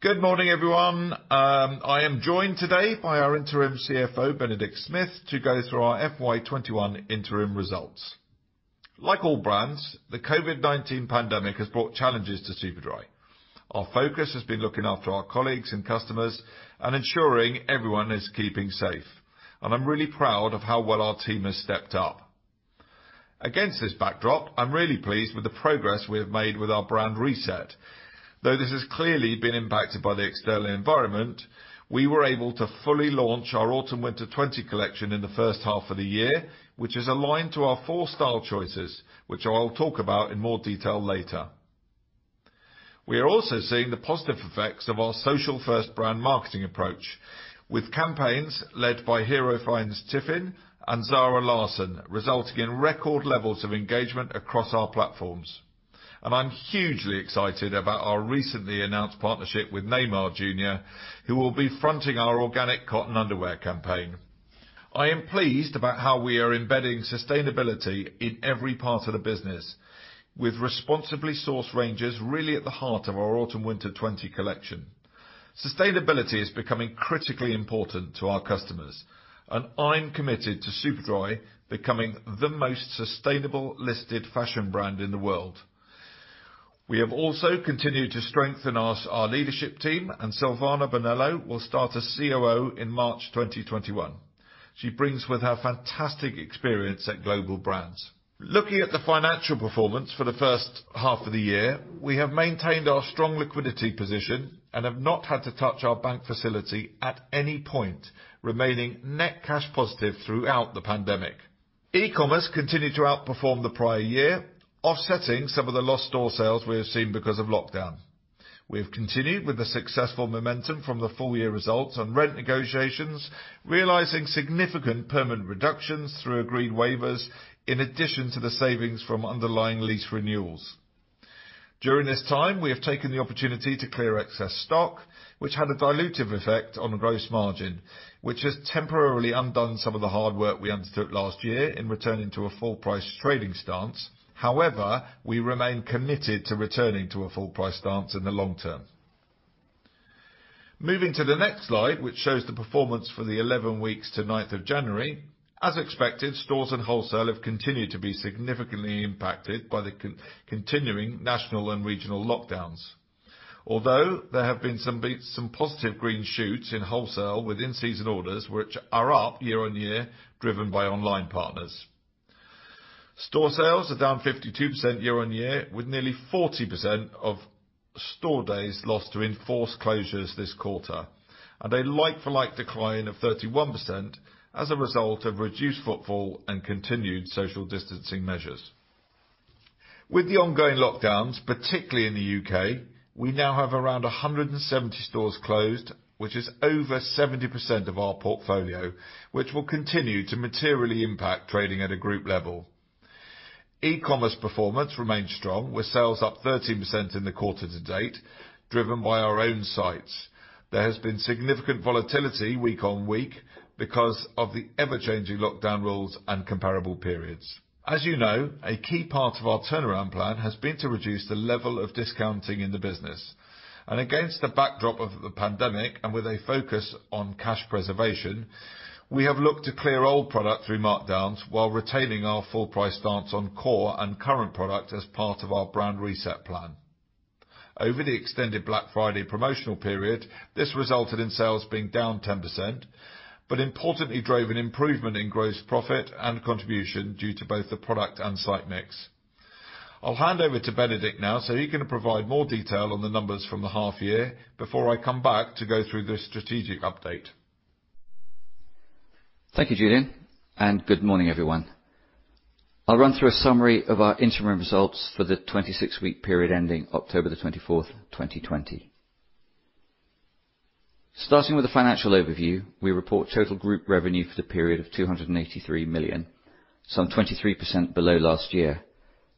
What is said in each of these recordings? Good morning, everyone. I am joined today by our interim CFO, Benedict Smith, to go through our FY 2021 interim results. Like all brands, the COVID-19 pandemic has brought challenges to Superdry. Our focus has been looking after our colleagues and customers and ensuring everyone is keeping safe, and I'm really proud of how well our team has stepped up. Against this backdrop, I'm really pleased with the progress we have made with our brand reset. Though this has clearly been impacted by the external environment, we were able to fully launch our Autumn/Winter 20 collection in the first half of the year, which is aligned to our four style choices, which I'll talk about in more detail later. We are also seeing the positive effects of our social first brand marketing approach with campaigns led by Hero Fiennes Tiffin and Zara Larsson, resulting in record levels of engagement across our platforms. I'm hugely excited about our recently announced partnership with Neymar Jr, who will be fronting our organic cotton underwear campaign. I am pleased about how we are embedding sustainability in every part of the business with responsibly sourced ranges really at the heart of our Autumn/Winter 20 collection. Sustainability is becoming critically important to our customers, and I'm committed to Superdry becoming the most sustainable listed fashion brand in the world. We have also continued to strengthen our leadership team, and Silvana Bonello will start as COO in March 2021. She brings with her fantastic experience at global brands. Looking at the financial performance for the first half of the year, we have maintained our strong liquidity position and have not had to touch our bank facility at any point, remaining net cash positive throughout the pandemic. E-commerce continued to outperform the prior year, offsetting some of the lost store sales we have seen because of lockdown. We have continued with the successful momentum from the full year results on rent negotiations, realizing significant permanent reductions through agreed waivers in addition to the savings from underlying lease renewals. During this time, we have taken the opportunity to clear excess stock, which had a dilutive effect on gross margin, which has temporarily undone some of the hard work we undertook last year in returning to a full price trading stance. However, we remain committed to returning to a full price stance in the long term. Moving to the next slide, which shows the performance for the 11 weeks to 9th of January, as expected, stores and wholesale have continued to be significantly impacted by the continuing national and regional lockdowns. Although, there have been some positive green shoots in wholesale with in-season orders, which are up year on year, driven by online partners. Store sales are down 52% year on year, with nearly 40% of store days lost to enforced closures this quarter, and a like for like decline of 31% as a result of reduced footfall and continued social distancing measures. With the ongoing lockdowns, particularly in the U.K., we now have around 170 stores closed, which is over 70% of our portfolio, which will continue to materially impact trading at a group level. E-commerce performance remains strong, with sales up 13% in the quarter to date, driven by our own sites. There has been significant volatility week on week because of the ever-changing lockdown rules and comparable periods. As you know, a key part of our turnaround plan has been to reduce the level of discounting in the business. Against the backdrop of the pandemic, and with a focus on cash preservation, we have looked to clear old product through markdowns while retaining our full price stance on core and current product as part of our brand reset plan. Over the extended Black Friday promotional period, this resulted in sales being down 10%, but importantly drove an improvement in gross profit and contribution due to both the product and site mix. I'll hand over to Benedict now so he can provide more detail on the numbers from the half year before I come back to go through the strategic update. Thank you, Julian, and good morning, everyone. I will run through a summary of our interim results for the 26-week period ending October 24, 2020. Starting with the financial overview, we report total group revenue for the period of 283 million, some 23% below last year,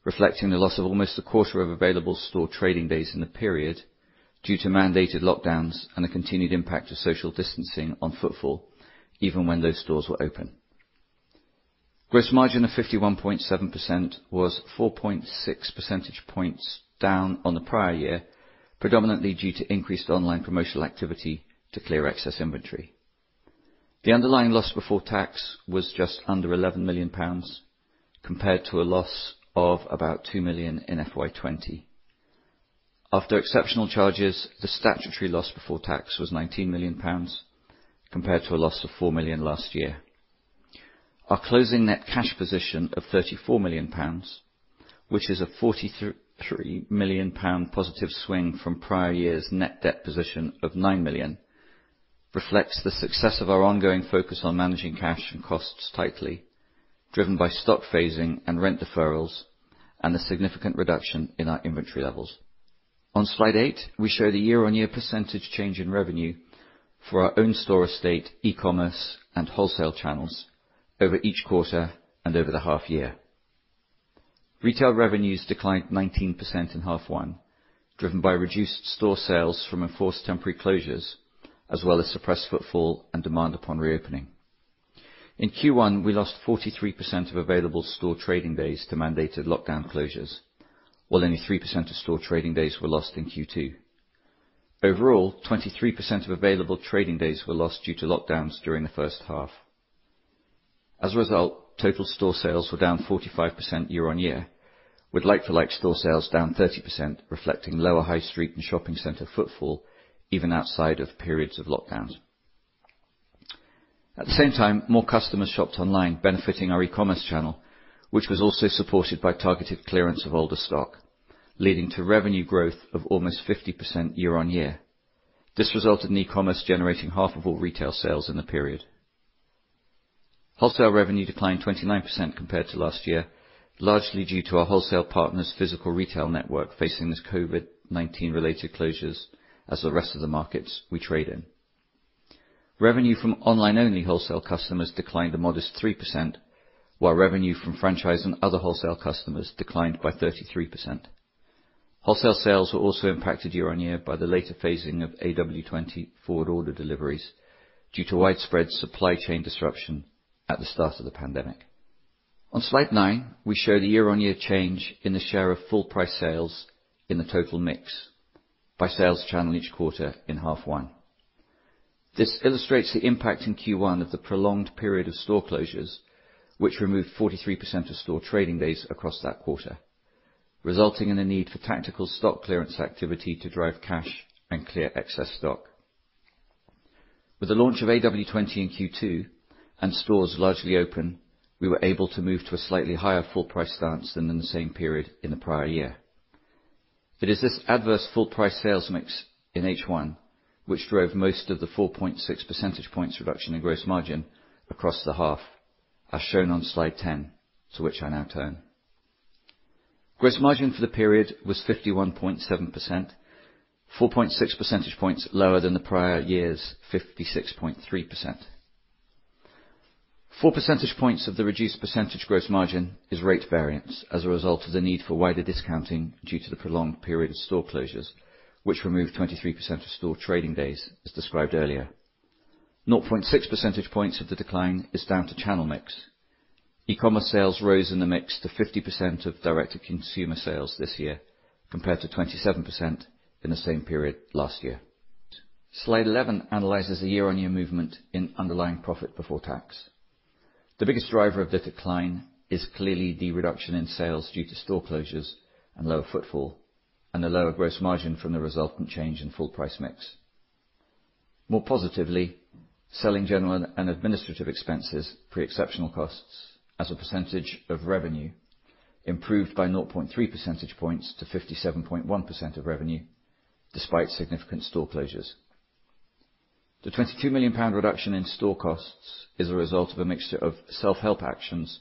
reflecting the loss of almost a quarter of available store trading days in the period due to mandated lockdowns and the continued impact of social distancing on footfall even when those stores were open. Gross margin of 51.7% was 4.6 percentage points down on the prior year, predominantly due to increased online promotional activity to clear excess inventory. The underlying loss before tax was just under 11 million pounds, compared to a loss of about 2 million in FY20. After exceptional charges, the statutory loss before tax was 19 million pounds compared to a loss of 4 million last year. Our closing net cash position of 34 million pounds, which is a 43 million pound positive swing from prior year's net debt position of 9 million, reflects the success of our ongoing focus on managing cash and costs tightly, driven by stock phasing and rent deferrals and a significant reduction in our inventory levels. On slide eight, we show the year-over-year percentage change in revenue for our own store estate, e-commerce, and wholesale channels over each quarter and over the half year. Retail revenues declined 19% in H1, driven by reduced store sales from enforced temporary closures, as well as suppressed footfall and demand upon reopening. In Q1, we lost 43% of available store trading days to mandated lockdown closures, while only 3% of store trading days were lost in Q2. Overall, 23% of available trading days were lost due to lockdowns during the first half. As a result, total store sales were down 45% year-on-year, with like-for-like store sales down 30%, reflecting lower high street and shopping center footfall even outside of periods of lockdowns. At the same time, more customers shopped online benefiting our e-commerce channel, which was also supported by targeted clearance of older stock, leading to revenue growth of almost 50% year-on-year. This resulted in e-commerce generating half of all retail sales in the period. Wholesale revenue declined 29% compared to last year, largely due to our wholesale partners' physical retail network facing these COVID-19 related closures as the rest of the markets we trade in. Revenue from online-only wholesale customers declined a modest 3%, while revenue from franchise and other wholesale customers declined by 33%. Wholesale sales were also impacted year-on-year by the later phasing of AW20 forward order deliveries due to widespread supply chain disruption at the start of the pandemic. On slide nine, we show the year-on-year change in the share of full price sales in the total mix by sales channel each quarter in half one. This illustrates the impact in Q1 of the prolonged period of store closures, which removed 43% of store trading days across that quarter, resulting in a need for tactical stock clearance activity to drive cash and clear excess stock. With the launch of AW20 in Q2 and stores largely open, we were able to move to a slightly higher full price stance than in the same period in the prior year. It is this adverse full price sales mix in H1 which drove most of the 4.6 percentage points reduction in gross margin across the half, as shown on slide 10, to which I now turn. Gross margin for the period was 51.7%, 4.6 percentage points lower than the prior year's 56.3%. Four percentage points of the reduced percentage gross margin is rate variance as a result of the need for wider discounting due to the prolonged period of store closures, which removed 23% of store trading days as described earlier. 0.6 percentage points of the decline is down to channel mix. E-commerce sales rose in the mix to 50% of direct-to-consumer sales this year, compared to 27% in the same period last year. Slide 11 analyzes the year-on-year movement in underlying profit before tax. The biggest driver of the decline is clearly the reduction in sales due to store closures and lower footfall, and the lower gross margin from the resultant change in full price mix. More positively, selling general and administrative expenses, pre-exceptional costs as a percentage of revenue improved by 0.3 percentage points to 57.1% of revenue despite significant store closures. The 22 million pound reduction in store costs is a result of a mixture of self-help actions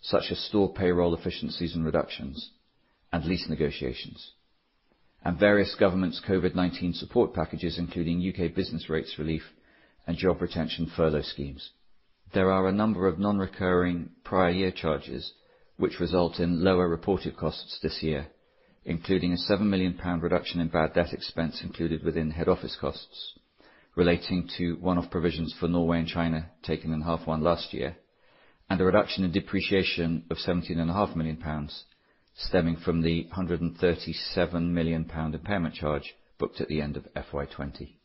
such as store payroll efficiencies and reductions, and lease negotiations, and various governments' COVID-19 support packages, including U.K. business rates relief and job retention furlough schemes. There are a number of non-recurring prior year charges which result in lower reported costs this year, including a 7 million pound reduction in bad debt expense included within head office costs relating to one-off provisions for Norway and China taken in half one last year, and a reduction in depreciation of 17.5 million pounds stemming from the 137 million pound impairment charge booked at the end of FY 2020.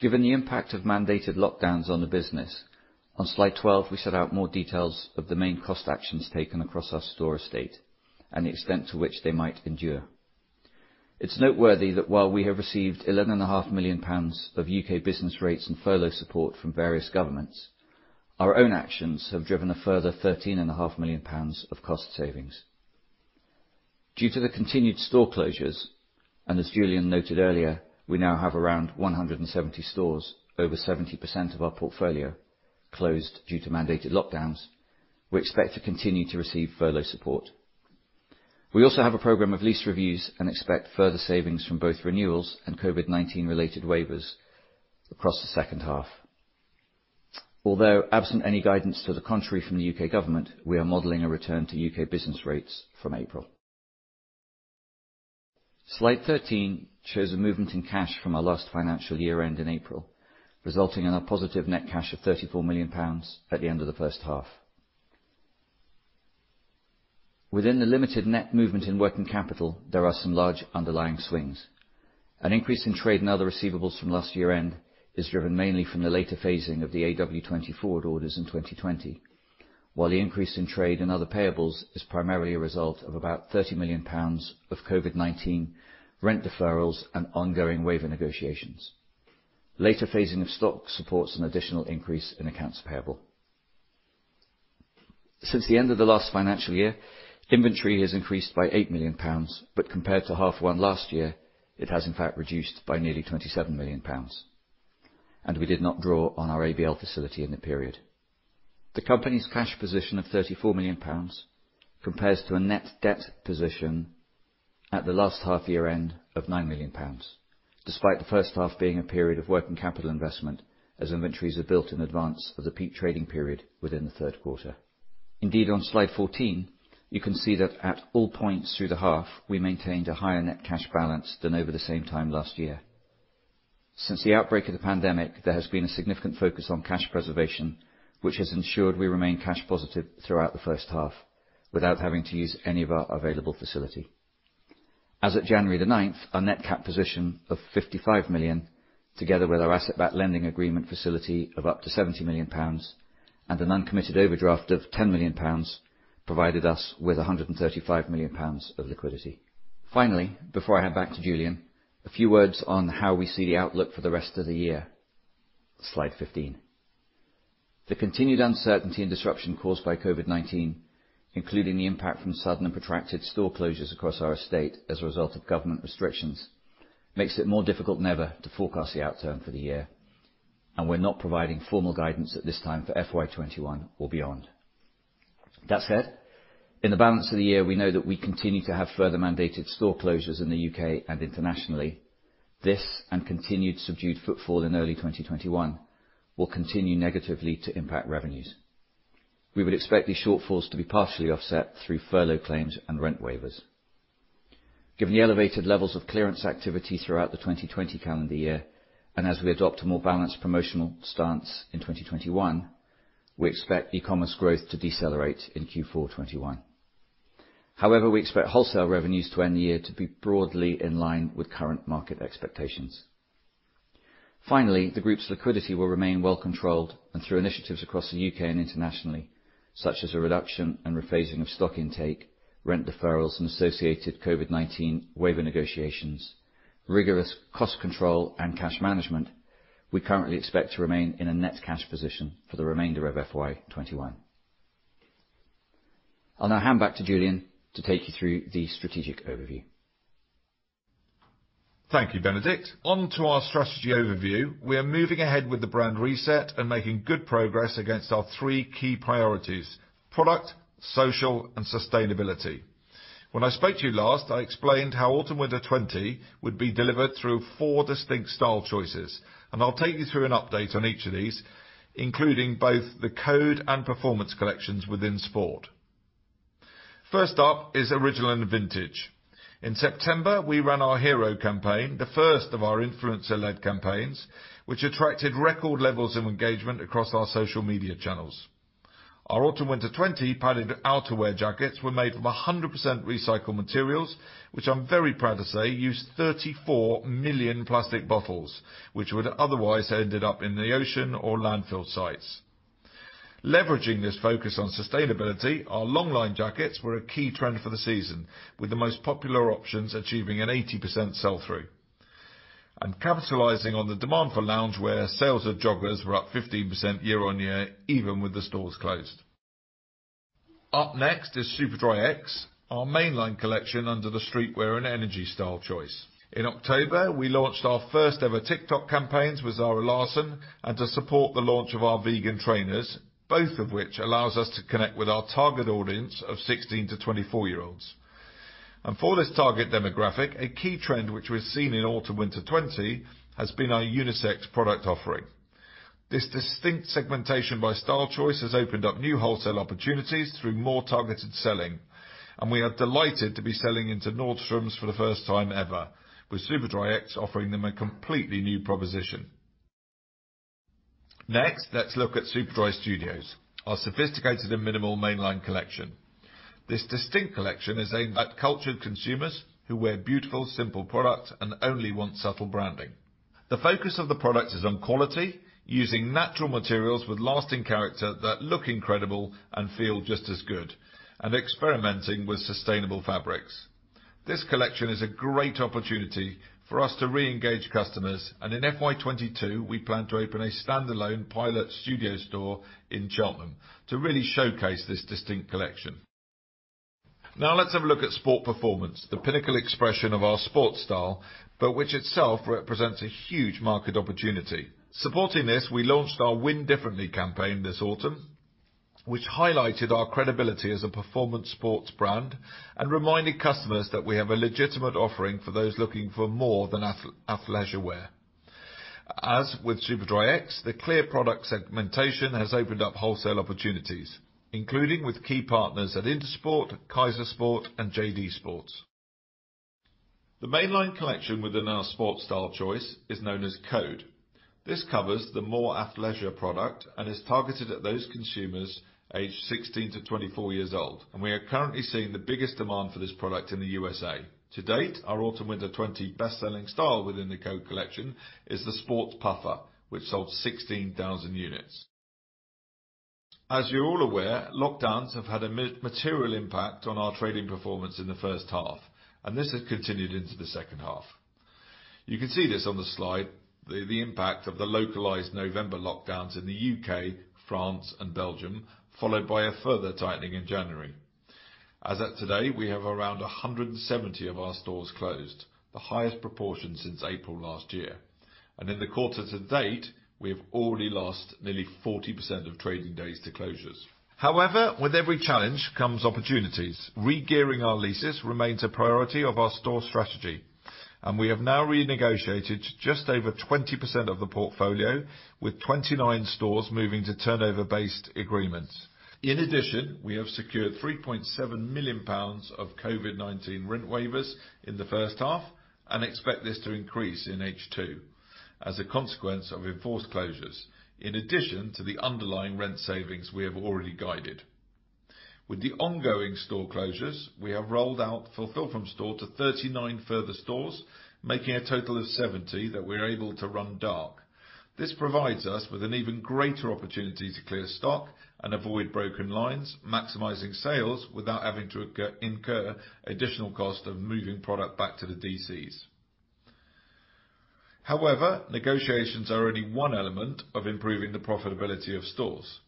Given the impact of mandated lockdowns on the business, on slide 12, we set out more details of the main cost actions taken across our store estate and the extent to which they might endure. It's noteworthy that while we have received 11.5 million pounds of U.K. business rates and furlough support from various governments, our own actions have driven a further 13.5 million pounds of cost savings. Due to the continued store closures, as Julian noted earlier, we now have around 170 stores, over 70% of our portfolio closed due to mandated lockdowns. We expect to continue to receive furlough support. We also have a program of lease reviews and expect further savings from both renewals and COVID-19 related waivers across the second half. Although absent any guidance to the contrary from the U.K. government, we are modeling a return to U.K. business rates from April. Slide 13 shows a movement in cash from our last financial year end in April, resulting in a positive net cash of 34 million pounds at the end of the first half. Within the limited net movement in working capital, there are some large underlying swings. An increase in trade and other receivables from last year end is driven mainly from the later phasing of the AW20 forward orders in 2020, while the increase in trade and other payables is primarily a result of about 30 million pounds of COVID-19 rent deferrals and ongoing waiver negotiations. Later phasing of stock supports an additional increase in accounts payable. Since the end of the last financial year, inventory has increased by 8 million pounds, but compared to half one last year, it has in fact reduced by nearly 27 million pounds. We did not draw on our ABL facility in the period. The company's cash position of 34 million pounds compares to a net debt position at the last half year end of 9 million pounds, despite the first half being a period of working capital investment as inventories are built in advance of the peak trading period within the third quarter. Indeed, on slide 14, you can see that at all points through the half, we maintained a higher net cash balance than over the same time last year. Since the outbreak of the pandemic, there has been a significant focus on cash preservation, which has ensured we remain cash positive throughout the first half without having to use any of our available facility. As of January the 9th, our net cash position of 55 million, together with our asset-backed lending agreement facility of up to 70 million pounds and an uncommitted overdraft of 10 million pounds, provided us with 135 million pounds of liquidity. Finally, before I hand back to Julian, a few words on how we see the outlook for the rest of the year. Slide 15. The continued uncertainty and disruption caused by COVID-19, including the impact from sudden and protracted store closures across our estate as a result of government restrictions, makes it more difficult than ever to forecast the outcome for the year. We're not providing formal guidance at this time for FY 2021 or beyond. That said, in the balance of the year, we know that we continue to have further mandated store closures in the U.K. and internationally. This, and continued subdued footfall in early 2021, will continue negatively to impact revenues. We would expect these shortfalls to be partially offset through furlough claims and rent waivers. Given the elevated levels of clearance activity throughout the 2020 calendar year, and as we adopt a more balanced promotional stance in 2021, we expect e-commerce growth to decelerate in Q4 2021. However, we expect wholesale revenues to end the year to be broadly in line with current market expectations. Finally, the group's liquidity will remain well controlled, and through initiatives across the U.K. and internationally, such as a reduction and rephasing of stock intake, rent deferrals, and associated COVID-19 waiver negotiations, rigorous cost control, and cash management, we currently expect to remain in a net cash position for the remainder of FY 2021. I'll now hand back to Julian to take you through the strategic overview. Thank you, Benedict. On to our strategy overview. We are moving ahead with the brand reset and making good progress against our three key priorities, product, social, and sustainability. When I spoke to you last, I explained how Autumn/Winter 20 would be delivered through four distinct style choices, and I'll take you through an update on each of these, including both the Code and Performance collections within Sport. First up is Original and Vintage. In September, we ran our Hero campaign, the first of our influencer-led campaigns, which attracted record levels of engagement across our social media channels. Our Autumn/Winter 20 padded outerwear jackets were made from 100% recycled materials, which I'm very proud to say used 34 million plastic bottles, which would otherwise have ended up in the ocean or landfill sites. Leveraging this focus on sustainability, our longline jackets were a key trend for the season, with the most popular options achieving an 80% sell-through. Capitalizing on the demand for loungewear, sales of joggers were up 15% year-on-year, even with the stores closed. Up next is Superdry X, our mainline collection under the streetwear and energy style choice. In October, we launched our first ever TikTok campaigns with Zara Larsson and to support the launch of our vegan trainers, both of which allows us to connect with our target audience of 16-24-year-olds. For this target demographic, a key trend which we've seen in Autumn/Winter 20 has been our unisex product offering. This distinct segmentation by style choice has opened up new wholesale opportunities through more targeted selling, and we are delighted to be selling into Nordstrom for the first time ever, with Superdry X offering them a completely new proposition. Next, let's look at Superdry Studios, our sophisticated and minimal mainline collection. This distinct collection is aimed at cultured consumers who wear beautiful, simple product and only want subtle branding. The focus of the product is on quality, using natural materials with lasting character that look incredible and feel just as good, and experimenting with sustainable fabrics. This collection is a great opportunity for us to reengage customers, and in FY 2022, we plan to open a standalone pilot studio store in Cheltenham to really showcase this distinct collection. Now let's have a look at Sport Performance, the pinnacle expression of our sport style, but which itself represents a huge market opportunity. Supporting this, we launched our Win Differently campaign this autumn, which highlighted our credibility as a performance sports brand and reminded customers that we have a legitimate offering for those looking for more than athleisure wear. As with Superdry X, the clear product segmentation has opened up wholesale opportunities, including with key partners at INTERSPORT, Kaiser Sport, and JD Sports. The mainline collection within our sport style choice is known as Code. This covers the more athleisure product and is targeted at those consumers aged 16-24 years old, and we are currently seeing the biggest demand for this product in the USA. To date, our Autumn/Winter 20 best-selling style within the Code collection is the Sport Puffer, which sold 16,000 units. As you're all aware, lockdowns have had a material impact on our trading performance in the first half, and this has continued into the second half. You can see this on the slide, the impact of the localized November lockdowns in the U.K., France, and Belgium, followed by a further tightening in January. As of today, we have around 170 of our stores closed, the highest proportion since April last year. In the quarter to date, we have already lost nearly 40% of trading days to closures. However, with every challenge comes opportunities. Regearing our leases remains a priority of our store strategy, and we have now renegotiated just over 20% of the portfolio, with 29 stores moving to turnover-based agreements. In addition, we have secured 3.7 million pounds of COVID-19 rent waivers in the first half and expect this to increase in H2 as a consequence of enforced closures, in addition to the underlying rent savings we have already guided. With the ongoing store closures, we have rolled out fulfill from store to 39 further stores, making a total of 70 that we're able to run dark. This provides us with an even greater opportunity to clear stock and avoid broken lines, maximizing sales without having to incur additional cost of moving product back to the DCs. However, negotiations are only one element of improving the profitability of stores.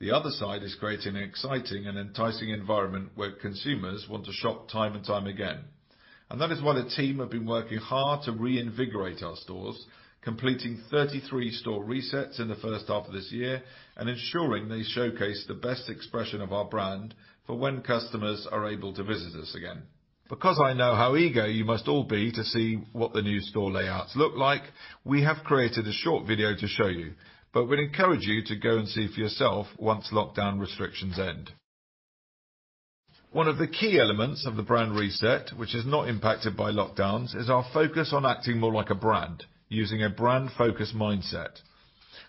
The other side is creating an exciting and enticing environment where consumers want to shop time and time again. That is why the team have been working hard to reinvigorate our stores, completing 33 store resets in the first half of this year, and ensuring they showcase the best expression of our brand for when customers are able to visit us again. I know how eager you must all be to see what the new store layouts look like, we have created a short video to show you, but we'd encourage you to go and see for yourself once lockdown restrictions end. One of the key elements of the brand reset, which is not impacted by lockdowns, is our focus on acting more like a brand using a brand-focused mindset.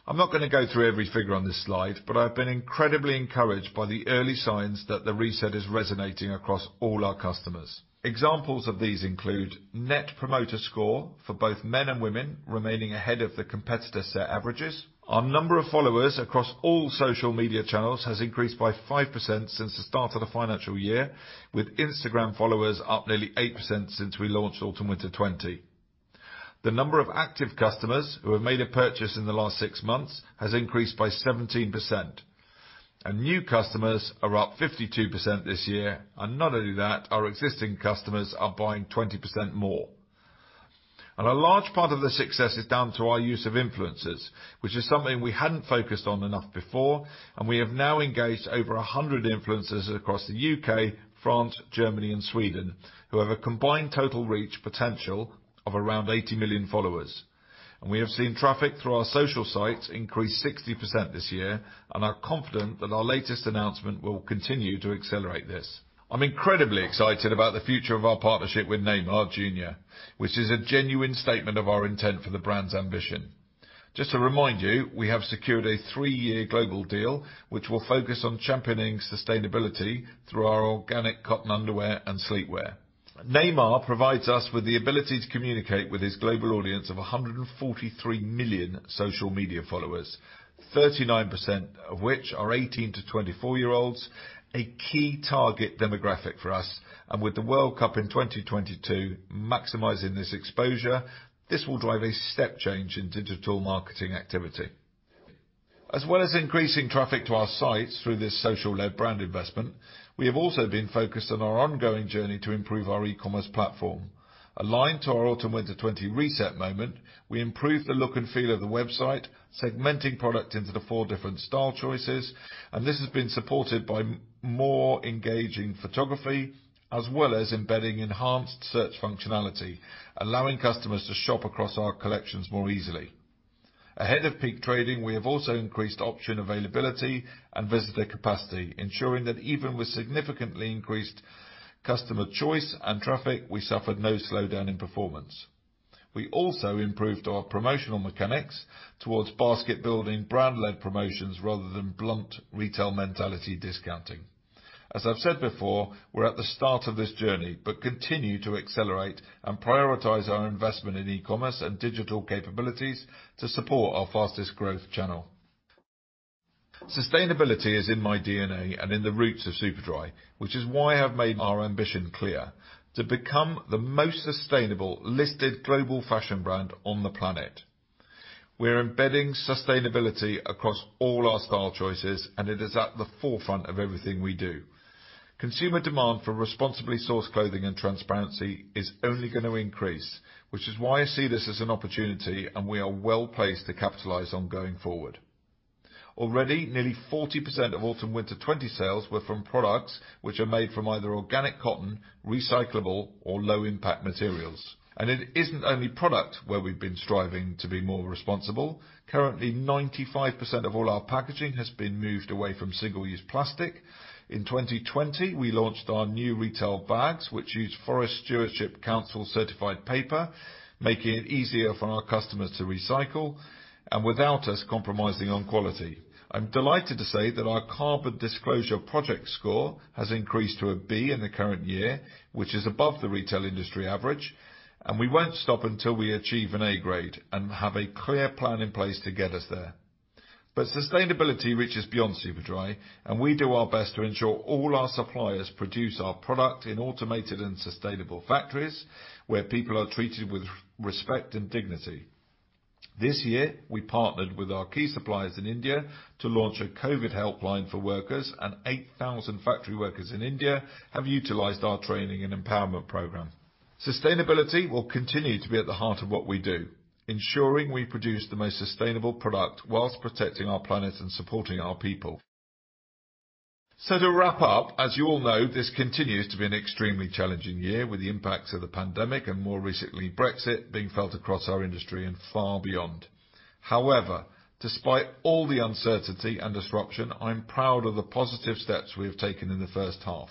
I'm not going to go through every figure on this slide, I've been incredibly encouraged by the early signs that the reset is resonating across all our customers. Examples of these include Net Promoter Score for both men and women remaining ahead of the competitor set averages. Our number of followers across all social media channels has increased by 5% since the start of the financial year, with Instagram followers up nearly 8% since we launched Autumn/Winter 20. The number of active customers who have made a purchase in the last six months has increased by 17%. New customers are up 52% this year. Not only that, our existing customers are buying 20% more. A large part of the success is down to our use of influencers, which is something we hadn't focused on enough before, and we have now engaged over 100 influencers across the U.K., France, Germany, and Sweden who have a combined total reach potential of around 80 million followers. We have seen traffic through our social sites increase 60% this year, and are confident that our latest announcement will continue to accelerate this. I'm incredibly excited about the future of our partnership with Neymar Jr, which is a genuine statement of our intent for the brand's ambition. Just to remind you, we have secured a three-year global deal which will focus on championing sustainability through our organic cotton underwear and sleepwear. Neymar provides us with the ability to communicate with his global audience of 143 million social media followers, 39% of which are 18-24-year-olds, a key target demographic for us. With the World Cup in 2022 maximizing this exposure, this will drive a step change in digital marketing activity. As well as increasing traffic to our sites through this social-led brand investment, we have also been focused on our ongoing journey to improve our e-commerce platform. Aligned to our Autumn/Winter 20 reset moment, we improved the look and feel of the website, segmenting product into the four different style choices. This has been supported by more engaging photography, as well as embedding enhanced search functionality, allowing customers to shop across our collections more easily. Ahead of peak trading, we have also increased option availability and visitor capacity, ensuring that even with significantly increased customer choice and traffic, we suffered no slowdown in performance. We also improved our promotional mechanics towards basket building brand led promotions rather than blunt retail mentality discounting. As I've said before, we're at the start of this journey. We continue to accelerate and prioritize our investment in e-commerce and digital capabilities to support our fastest growth channel. Sustainability is in my DNA and in the roots of Superdry, which is why I've made our ambition clear: to become the most sustainable listed global fashion brand on the planet. We're embedding sustainability across all our style choices, and it is at the forefront of everything we do. Consumer demand for responsibly sourced clothing and transparency is only going to increase, which is why I see this as an opportunity, and we are well placed to capitalize on going forward. Already, nearly 40% of Autumn/Winter 20 sales were from products which are made from either organic cotton, recyclable or low impact materials. It isn't only product where we've been striving to be more responsible. Currently, 95% of all our packaging has been moved away from single-use plastic. In 2020, we launched our new retail bags, which use Forest Stewardship Council certified paper, making it easier for our customers to recycle and without us compromising on quality. I'm delighted to say that our Carbon Disclosure Project score has increased to a B in the current year, which is above the retail industry average. We won't stop until we achieve an A grade and have a clear plan in place to get us there. Sustainability reaches beyond Superdry, and we do our best to ensure all our suppliers produce our product in automated and sustainable factories where people are treated with respect and dignity. This year, we partnered with our key suppliers in India to launch a COVID helpline for workers. 8,000 factory workers in India have utilized our training and empowerment program. Sustainability will continue to be at the heart of what we do, ensuring we produce the most sustainable product whilst protecting our planet and supporting our people. To wrap up, as you all know, this continues to be an extremely challenging year with the impacts of the pandemic and more recently, Brexit being felt across our industry and far beyond. However, despite all the uncertainty and disruption, I'm proud of the positive steps we have taken in the first half.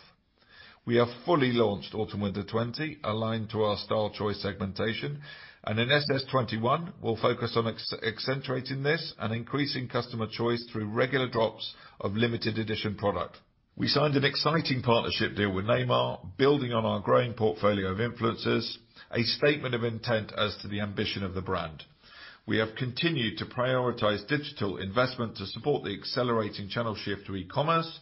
We are fully launched Autumn/Winter 20, aligned to our style choice segmentation, and in SS21, we'll focus on accentuating this and increasing customer choice through regular drops of limited edition product. We signed an exciting partnership deal with Neymar, building on our growing portfolio of influencers, a statement of intent as to the ambition of the brand. We have continued to prioritize digital investment to support the accelerating channel shift to e-commerce,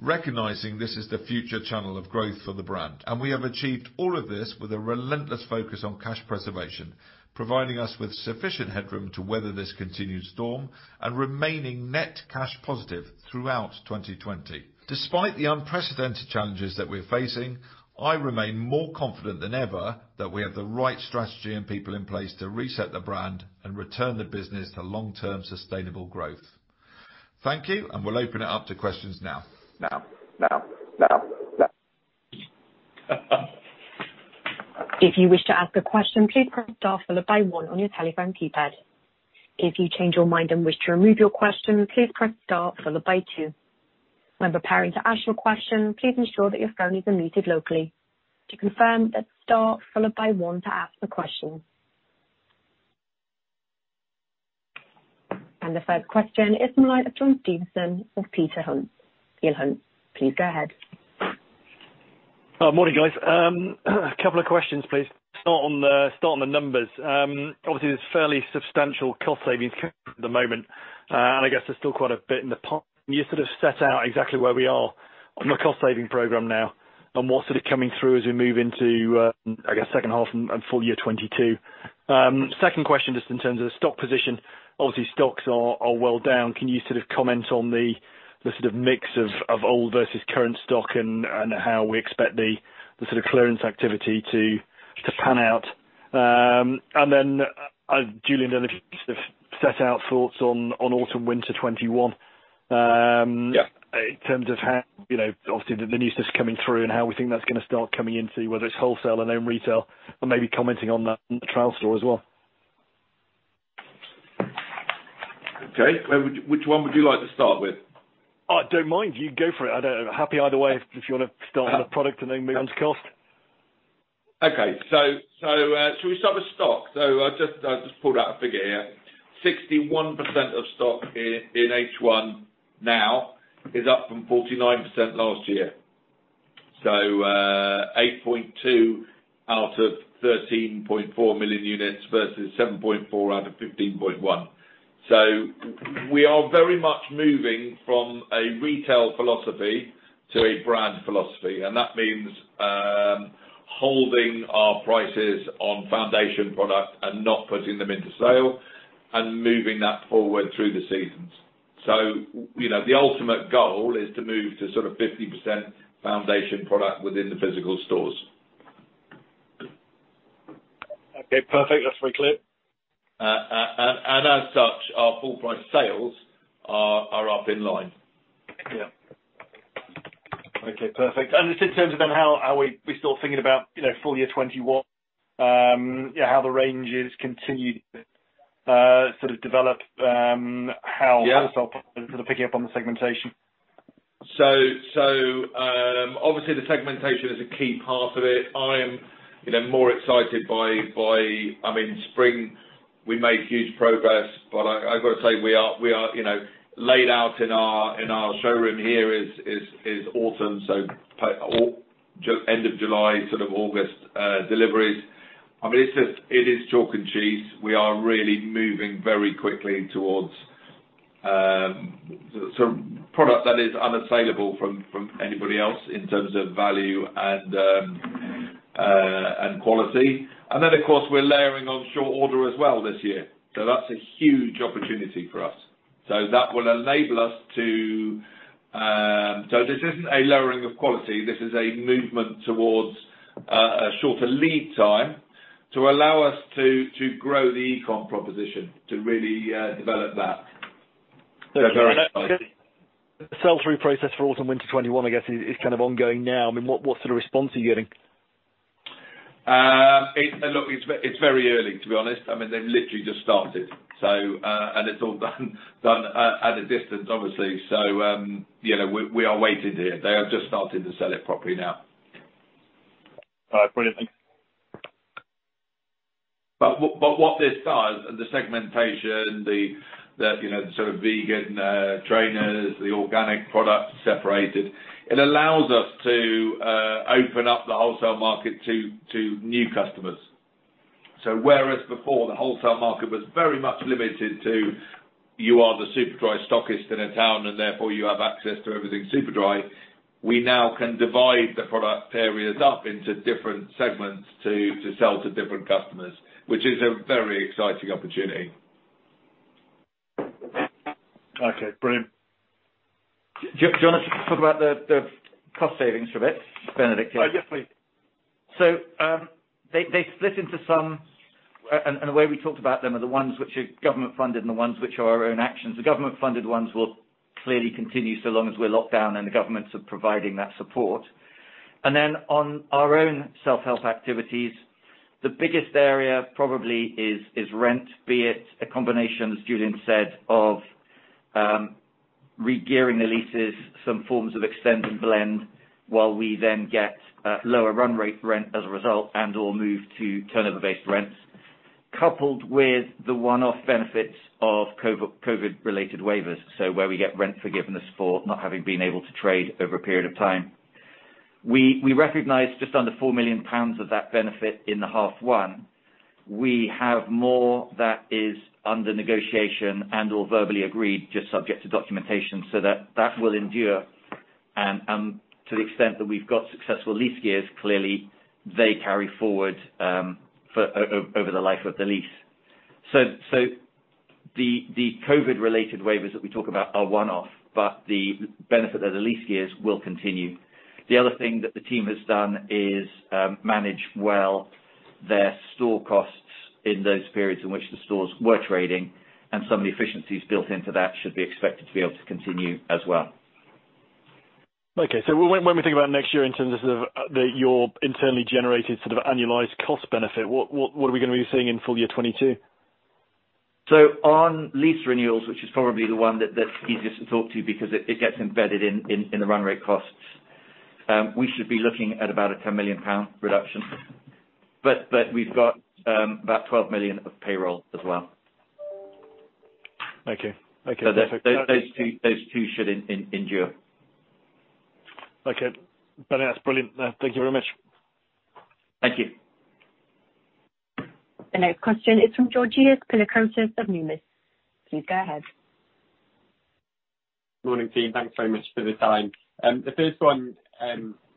recognizing this is the future channel of growth for the brand. We have achieved all of this with a relentless focus on cash preservation, providing us with sufficient headroom to weather this continued storm and remaining net cash positive throughout 2020. Despite the unprecedented challenges that we're facing, I remain more confident than ever that we have the right strategy and people in place to reset the brand and return the business to long-term sustainable growth. Thank you, and we'll open it up to questions now. If you wish to ask a question, please press star followed by one on your telephone keypad. If you change your mind and wish to remove your question, please press star followed by two. Remember, prior to ask your question, please ensure that your phone is unmuted locally. To confirm that, star followed by one to ask the question. The first question is the line of John Stevenson of Peel Hunt. You may, please go ahead. Morning, guys. A couple of questions, please. Start on the numbers. Obviously, there's fairly substantial cost savings at the moment. I guess there's still quite a bit in the pot. Can you sort of set out exactly where we are on the cost-saving program now and what's sort of coming through as we move into, I guess second half and full year 2022? Second question, just in terms of the stock position, obviously stocks are well down. Can you sort of comment on the sort of mix of old versus current stock and how we expect the sort of clearance activity to pan out? Then, Julian and Benedict sort of set out thoughts on Autumn/Winter 20. Yeah. In terms of how obviously the new stuff's coming through and how we think that's gonna start coming into whether it's wholesale and own retail or maybe commenting on that trial store as well. Okay. Which one would you like to start with? I don't mind. You go for it. I don't know. Happy either way if you want to start on the product and then move on to cost. Okay. Shall we start with stock? I just pulled out a figure here. 61% of stock in H1 now is up from 49% last year. 8.2 million out of 13.4 million units versus 7.4 million out of 15.1 million. We are very much moving from a retail philosophy to a brand philosophy, and that means holding our prices on foundation product and not putting them into sale and moving that forward through the seasons. The ultimate goal is to move to sort of 50% foundation product within the physical stores. Okay, perfect. That's very clear. As such, our full price sales are up in line. Yeah. Okay, perfect. Just in terms of then how are we still thinking about full year 2021, how the range has continued to sort of develop? Yeah. How wholesale picking up on the segmentation? Obviously, the segmentation is a key part of it. I am more excited by, I mean, spring we made huge progress, but I've got to say we are laid out in our showroom here is autumn. End of July, sort of August deliveries. I mean, it is chalk and cheese. We are really moving very quickly towards some product that is unassailable from anybody else in terms of value and quality. Of course, we're layering on short order as well this year. That's a huge opportunity for us. This isn't a lowering of quality, this is a movement towards a shorter lead time to allow us to grow the e-commerce proposition, to really develop that. Very excited. Sell-through process for Autumn/Winter 20, I guess is kind of ongoing now. I mean, what sort of response are you getting? Look, it's very early, to be honest. I mean, they've literally just started. It's all done at a distance, obviously. We are waiting here. They have just started to sell it properly now. All right. Brilliant. Thank you. What this does, the segmentation, the sort of vegan trainers, the organic products separated, it allows us to open up the wholesale market to new customers. Whereas before the wholesale market was very much limited to, you are the Superdry stockist in a town and therefore you have access to everything Superdry, we now can divide the product areas up into different segments to sell to different customers, which is a very exciting opportunity. Okay, brilliant. Do you want us to talk about the cost savings for a bit, Benedict? Yeah, definitely. They split into some. The way we talked about them are the ones which are government-funded and the ones which are our own actions. The government-funded ones will clearly continue so long as we're locked down and the governments are providing that support. On our own self-help activities, the biggest area probably is rent, be it a combination, as Julian said, of regearing the leases, some forms of extend and blend, while we then get lower run rate rent as a result and/or move to turnover-based rents, coupled with the one-off benefits of COVID-19-related waivers, where we get rent forgiveness for not having been able to trade over a period of time. We recognized just under 4 million pounds of that benefit in the half one. We have more that is under negotiation and/or verbally agreed, just subject to documentation. That will endure. To the extent that we've got successful lease years, clearly they carry forward over the life of the lease. The COVID-related waivers that we talk about are one-off, but the benefit of the lease years will continue. The other thing that the team has done is manage well their store costs in those periods in which the stores were trading, and some of the efficiencies built into that should be expected to be able to continue as well. Okay. When we think about next year in terms of your internally generated sort of annualized cost benefit, what are we going to be seeing in full year 2022? On lease renewals, which is probably the one that's easiest to talk to because it gets embedded in the run rate costs, we should be looking at about a 10 million pound reduction. We've got about 12 million of payroll as well. Okay. Perfect. Those two should endure. Okay. Oh, that's brilliant. Thank you very much. Thank you. The next question is from Georgios Pilakoutas of Numis. Please go ahead. Morning, team. Thanks very much for the time. The first one,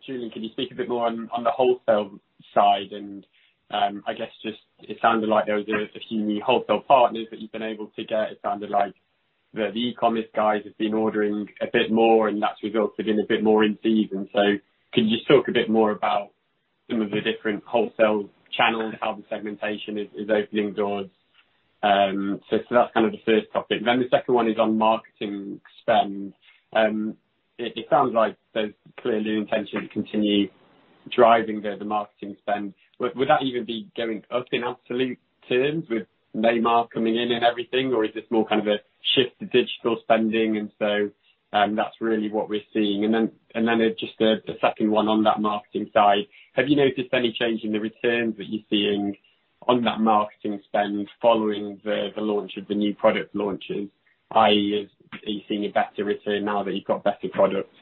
Julian, can you speak a bit more on the wholesale side? I guess, it sounded like there was a few new wholesale partners that you've been able to get. It sounded like the e-commerce guys have been ordering a bit more, and that's resulted in a bit more in season. Can you just talk a bit more about some of the different wholesale channels, how the segmentation is opening doors? That's the first topic. The second one is on marketing spend. It sounds like there's clearly an intention to continue driving the marketing spend. Would that even be going up in absolute terms with Neymar coming in and everything? Is this more kind of a shift to digital spending, and so that's really what we're seeing? Just the second one on that marketing side, have you noticed any change in the returns that you're seeing on that marketing spend following the launch of the new product launches, i.e., are you seeing a better return now that you've got better products?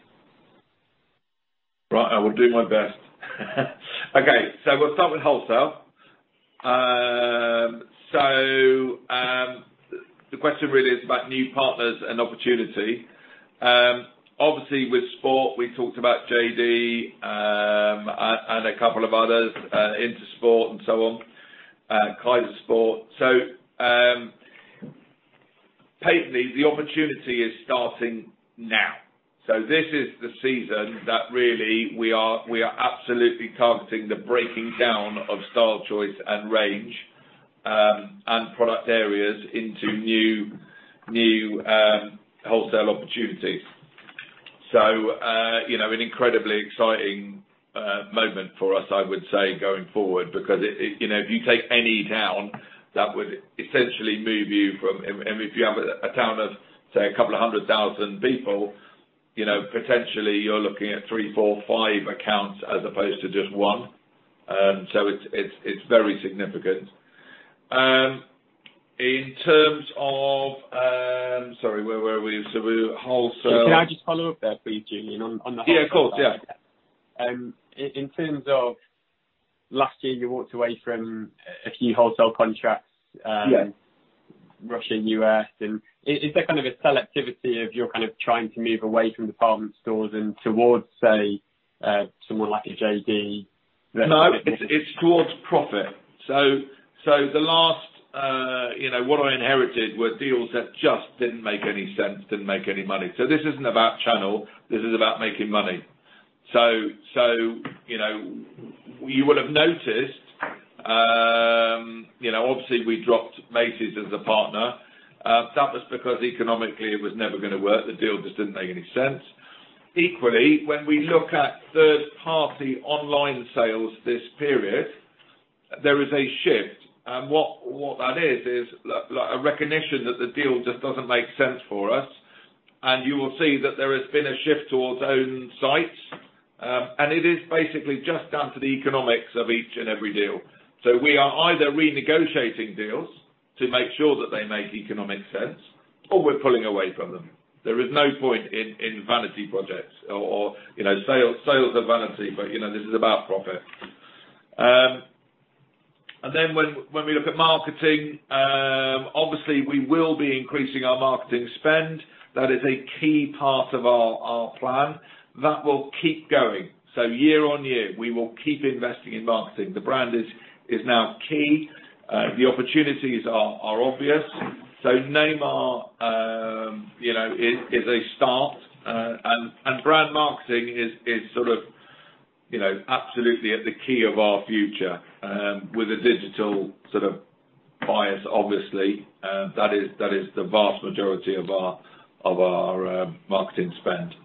Right. I will do my best. Okay, we'll start with wholesale. The question really is about new partners and opportunity. Obviously, with sport, we talked about JD, and a couple of others, Intersport and so on, Kaiser Sport. Patently, the opportunity is starting now. This is the season that really we are absolutely targeting the breaking down of style choice and range, and product areas into new wholesale opportunities. An incredibly exciting moment for us, I would say, going forward, because if you take any town, if you have a town of, say, a couple of 100,000 people, potentially you're looking at three, four, five accounts as opposed to just one. It's very significant. In terms of Sorry, where were we? We were at wholesale. Can I just follow up there please, Julian, on the wholesale side? Yeah, of course. In terms of last year, you walked away from a few wholesale contracts. Yes. Russia, U.S., is there a selectivity of you're trying to move away from department stores and towards, say, someone like a JD? No, it's towards profit. The last, what I inherited were deals that just didn't make any sense, didn't make any money. This isn't about channel, this is about making money. You would have noticed, obviously we dropped Macy's as a partner. That was because economically it was never going to work. The deal just didn't make any sense. Equally, when we look at third-party online sales this period, there is a shift. What that is a recognition that the deal just doesn't make sense for us. You will see that there has been a shift towards own sites. It is basically just down to the economics of each and every deal. We are either renegotiating deals to make sure that they make economic sense, or we're pulling away from them. There is no point in vanity projects or. Sales are vanity, but this is about profit. When we look at marketing, obviously we will be increasing our marketing spend. That is a key part of our plan. That will keep going. Year on year, we will keep investing in marketing. The brand is now key. The opportunities are obvious. Neymar is a start. Brand marketing is absolutely at the key of our future, with a digital bias, obviously. That is the vast majority of our marketing spend.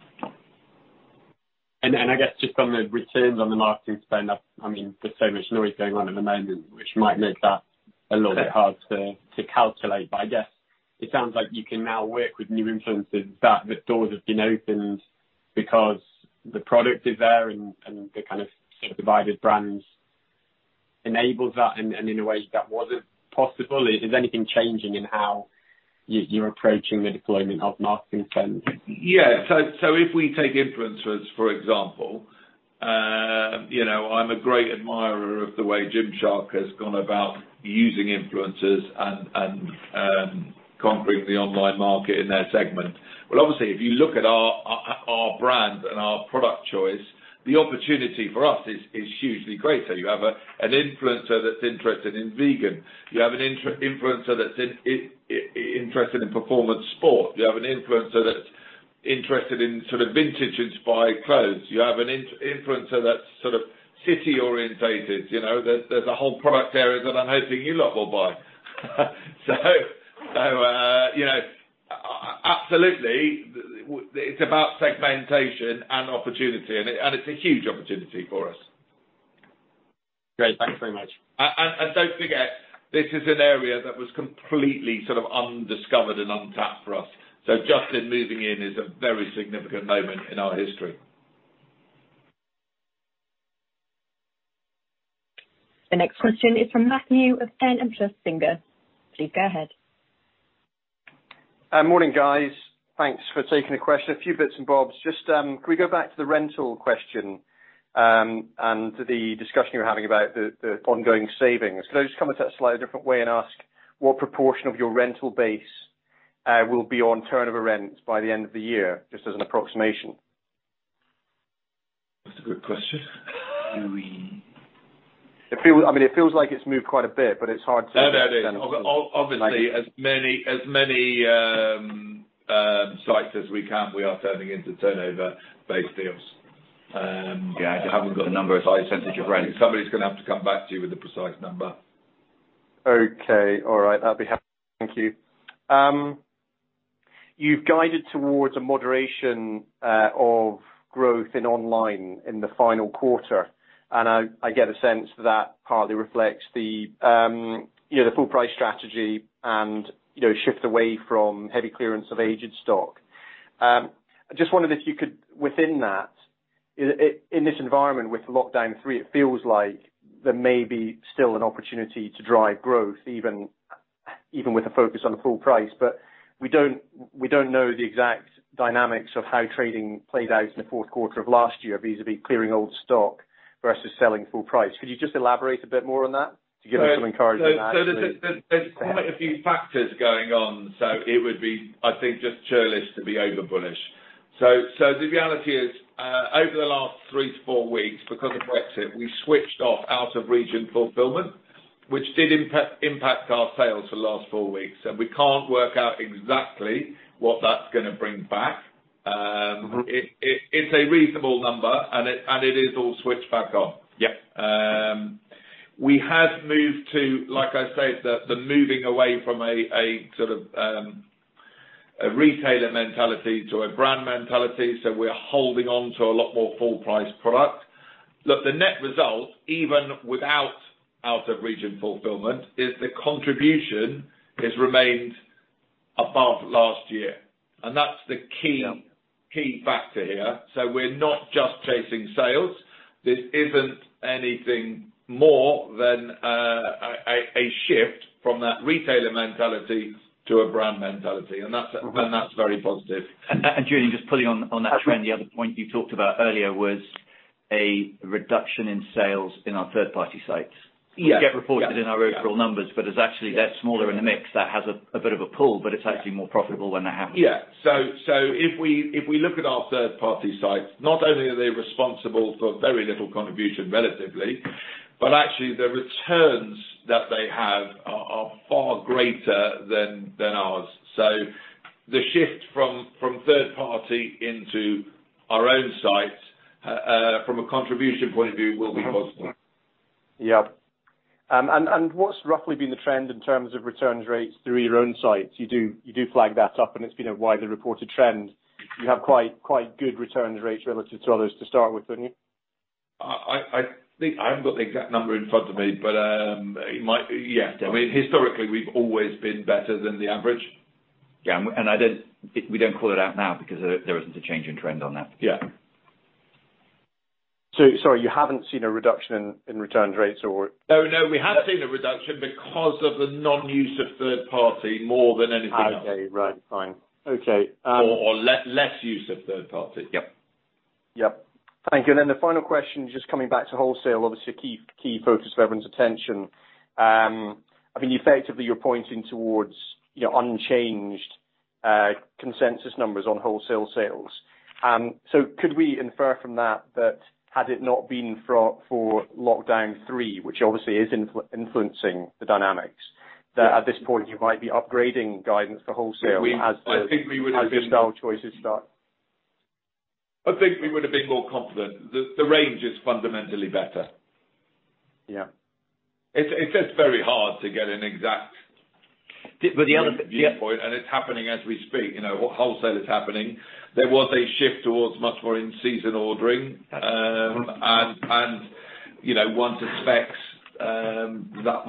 I guess just on the returns on the marketing spend, there's so much noise going on at the moment, which might make that a little bit hard to calculate. I guess it sounds like you can now work with new influencers, that the doors have been opened because the product is there and the kind of divided brands enables that in a way that wasn't possible. Is there anything changing in how you're approaching the deployment of marketing spend? Yeah. If we take influencers, for example, I'm a great admirer of the way Gymshark has gone about using influencers and conquering the online market in their segment. Obviously, if you look at our brand and our product choice, the opportunity for us is hugely greater. You have an influencer that's interested in vegan, you have an influencer that's interested in performance sport, you have an influencer that's interested in vintage-inspired clothes, you have an influencer that's city orientated. There's a whole product area that I'm hoping you lot will buy. Absolutely, it's about segmentation and opportunity, and it's a huge opportunity for us. Great. Thank you very much. Don't forget, this is an area that was completely undiscovered and untapped for us. Just in moving in is a very significant moment in our history. The next question is from Matthew of N+1 Singer. Please go ahead. Morning, guys. Thanks for taking the question. A few bits and bobs. Can we go back to the rental question, and the discussion you're having about the ongoing savings? Can I just come at a slightly different way and ask what proportion of your rental base will be on turnover rent by the end of the year, just as an approximation? That's a great question. Do we? It feels like it's moved quite a bit, but it's hard. Oh, yeah it is. Obviously, as many sites as we can, we are turning into turnover-based deals. I haven't got a number. It's a high percentage of rent. Somebody's going to have to come back to you with the precise number. Okay. All right. Thank you. You've guided towards a moderation of growth in online in the final quarter. I get a sense that partly reflects the full price strategy and shift away from heavy clearance of aged stock. I just wondered if you could, within that, in this environment with lockdown three, it feels like there may be still an opportunity to drive growth, even with a focus on the full price. We don't know the exact dynamics of how trading played out in the fourth quarter of last year vis-a-vis clearing old stock versus selling full price. Could you just elaborate a bit more on that to give us some encouragement to that? There's quite a few factors going on. It would be, I think, just churlish to be over bullish. The reality is, over the last three to four weeks because of Brexit, we switched off out-of-region fulfillment, which did impact our sales for the last four weeks. We can't work out exactly what that's going to bring back. It's a reasonable number, and it is all switched back on. Yeah. We have moved to, like I say, the moving away from a retailer mentality to a brand mentality. We're holding on to a lot more full price product. Look, the net result, even without out-of-region fulfillment, is the contribution has remained above last year. That's the key factor here. We're not just chasing sales. This isn't anything more than a shift from that retailer mentality to a brand mentality. That's very positive. Julian, just pulling on that trend, the other point you talked about earlier was a reduction in sales in our third-party sites. Yes. Which get reported in our overall numbers, but is actually, they're smaller in the mix. That has a bit of a pull, but it's actually more profitable when they're happening. Yeah. If we look at our third-party sites, not only are they responsible for very little contribution relatively, but actually the returns that they have are far greater than ours. The shift from third party into our own sites, from a contribution point of view, will be positive. Yeah. What's roughly been the trend in terms of returns rates through your own sites? You do flag that up and it's been a widely reported trend. You have quite good returns rates relative to others to start with, didn't you? I think I haven't got the exact number in front of me, but, Yeah. I mean, historically, we've always been better than the average. Yeah, we don't call it out now because there isn't a change in trend on that. Yeah. Sorry, you haven't seen a reduction in returns rates or? No, we have seen a reduction because of the non-use of third party more than anything else. Okay, right. Fine. Okay. Less use of third party. Yep. Yep. Thank you. The final question, just coming back to wholesale, obviously a key focus of everyone's attention. I mean, effectively you're pointing towards unchanged consensus numbers on wholesale sales. Could we infer from that that had it not been for lockdown three, which obviously is influencing the dynamics, that at this point you might be upgrading guidance for wholesale as the style choices start? I think we would have been more confident. The range is fundamentally better. Yeah. It's just very hard to get an exact. The other, yeah. Viewpoint, and it's happening as we speak. Wholesale is happening. There was a shift towards much more in-season ordering. One suspects that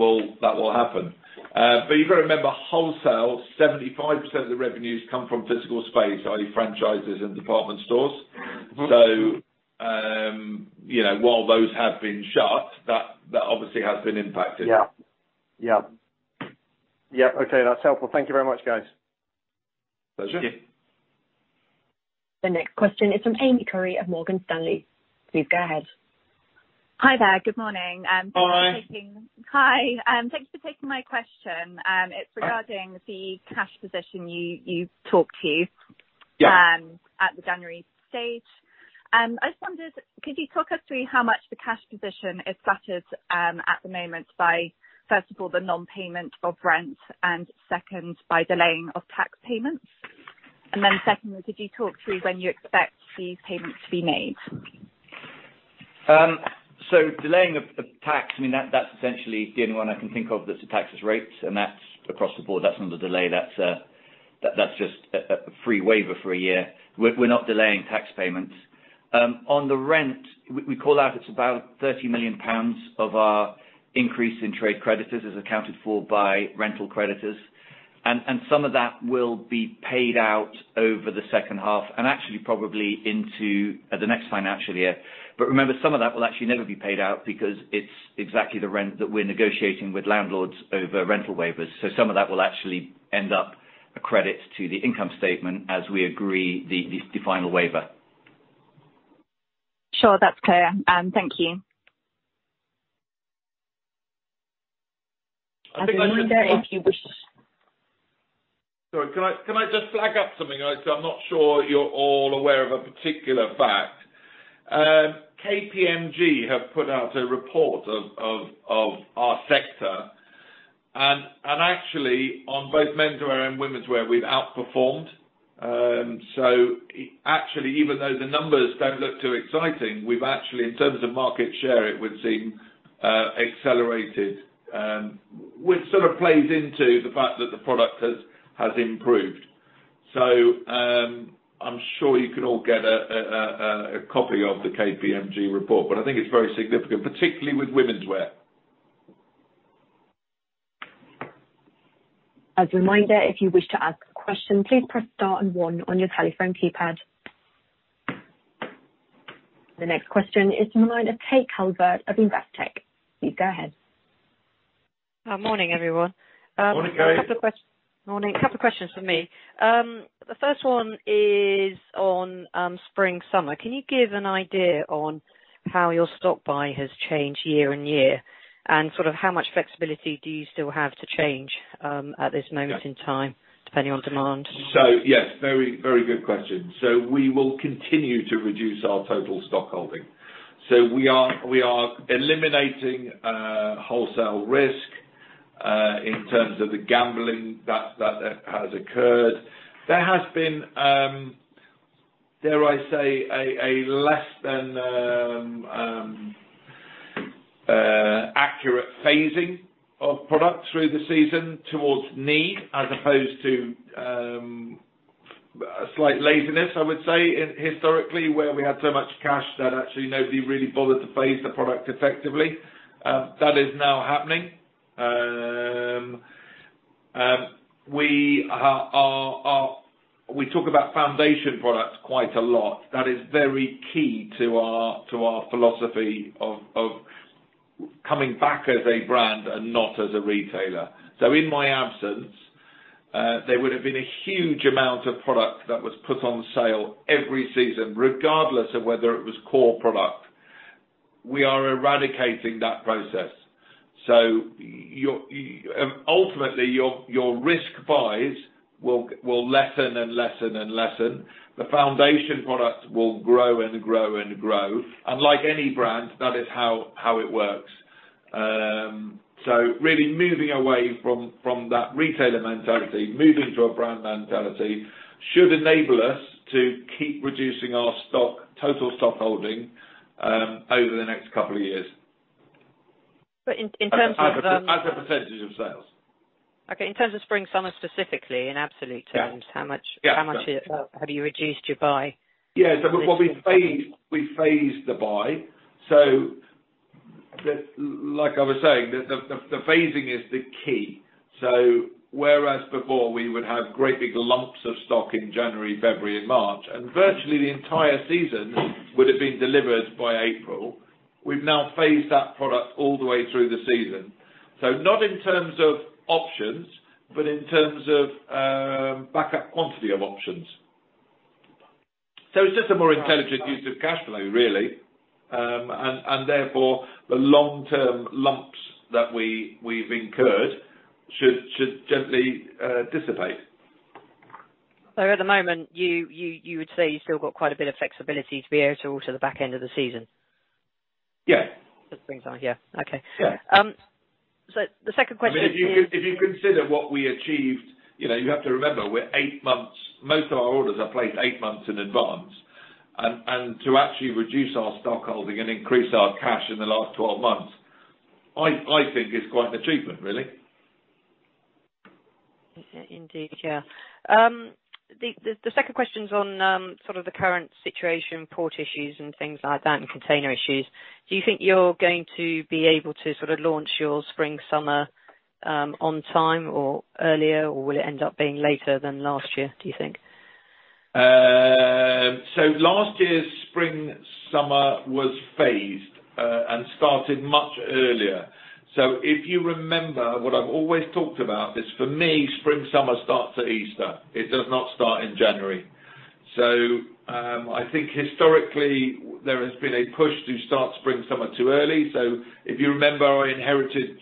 will happen. You've got to remember, wholesale, 75% of the revenues come from physical space, i.e. franchises and department stores. While those have been shut, that obviously has been impacted. Yeah. Okay, that's helpful. Thank you very much, guys. Pleasure. Thank you. The next question is from Amy Curry of Morgan Stanley. Please go ahead. Hi there. Good morning. Hi. Hi. Thanks for taking my question. It's regarding the cash position you talked to. Yeah. At the January stage. I just wondered, could you talk us through how much the cash position is flattered at the moment by, first of all, the non-payment of rent, and second, by delaying of tax payments? Secondly, could you talk through when you expect these payments to be made? Delaying of tax, that's essentially the only one I can think of that's a tax is rates, and that's across the board. That's not a delay. That's just a free waiver for a year. We're not delaying tax payments. On the rent, we call out it's about 30 million pounds of our increase in trade creditors as accounted for by rental creditors. Some of that will be paid out over the second half, and actually probably into the next financial year. Remember, some of that will actually never be paid out because it's exactly the rent that we're negotiating with landlords over rental waivers. Some of that will actually end up a credit to the income statement as we agree the final waiver. Sure. That's clear. Thank you. As a reminder, if you wish. Sorry, can I just flag up something? I'm not sure you're all aware of a particular fact. KPMG have put out a report of our sector. Actually, on both menswear and womenswear, we've outperformed. Actually, even though the numbers don't look too exciting, we've actually, in terms of market share, it would seem, accelerated. Which sort of plays into the fact that the product has improved. I'm sure you can all get a copy of the KPMG report, but I think it's very significant, particularly with womenswear. As a reminder, if you wish to ask a question, please press star and one on your telephone keypad. The next question is from Kate Calvert of Investec. Please go ahead. Morning, everyone. Morning, guys. Morning. A couple of questions from me. The first one is on spring-summer. Can you give an idea on how your stock buy has changed year on year? Sort of how much flexibility do you still have to change at this moment in time, depending on demand? Yes, very good question. We will continue to reduce our total stock holding. We are eliminating wholesale risk, in terms of the gambling that has occurred. There has been, dare I say, a less than accurate phasing of product through the season towards need as opposed to a slight laziness, I would say, historically, where we had so much cash that actually nobody really bothered to phase the product effectively. That is now happening. We talk about foundation products quite a lot. That is very key to our philosophy of coming back as a brand and not as a retailer. In my absence, there would have been a huge amount of product that was put on sale every season, regardless of whether it was core product. We are eradicating that process. Ultimately, your risk buys will lessen and lessen and lessen. The foundation products will grow and grow and grow. Like any brand, that is how it works. Really moving away from that retailer mentality, moving to a brand mentality should enable us to keep reducing our total stock holding over the next couple of years. But in terms of. As a percentage of sales. Okay. In terms of Spring/Summer specifically, in absolute terms. Yeah. How much have you reduced your buy? Yeah. What we phased the buy, so like I was saying, the phasing is the key. Whereas before we would have great big lumps of stock in January, February, and March, and virtually the entire season would have been delivered by April, we've now phased that product all the way through the season. Not in terms of options, but in terms of backup quantity of options. It's just a more intelligent use of cash flow, really. Therefore, the long-term lumps that we've incurred should gently dissipate. At the moment, you would say you've still got quite a bit of flexibility to be able to order the back end of the season? Yeah. For Spring/Summer, yeah. Okay. Yeah. The second question is? If you consider what we achieved, you have to remember most of our orders are placed eight months in advance. To actually reduce our stock holding and increase our cash in the last 12 months, I think is quite an achievement, really. Indeed, yeah. The second question's on sort of the current situation, port issues and things like that, and container issues. Do you think you're going to be able to sort of launch your Spring/Summer on time or earlier, or will it end up being later than last year, do you think? Last year's Spring/Summer was phased, and started much earlier. If you remember what I've always talked about, is for me, spring/summer starts at Easter. It does not start in January. I think historically there has been a push to start spring/summer too early. If you remember our inherited